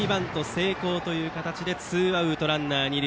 成功でツーアウトランナー、二塁。